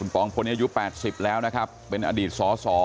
ปองพลอายุ๘๐แล้วนะครับเป็นอดีตสส